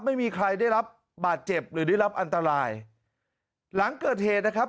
ไม่มีใครได้รับบาดเจ็บหรือได้รับอันตรายหลังเกิดเหตุนะครับ